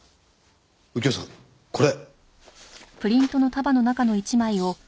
右京さんこれ。